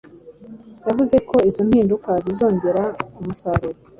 Yavuze ko izo mpinduka zizongera umusaruro